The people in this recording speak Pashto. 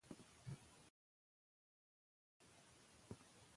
لغمان ولایت له هغو ولایتونو څخه دی چې: